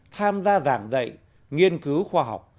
tham gia giảng dạy nghiên cứu khoa học